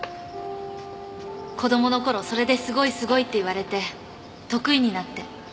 子供の頃それですごいすごいって言われて得意になって。